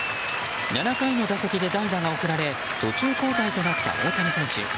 ７回の打席で代打が送られ途中交代となった大谷選手。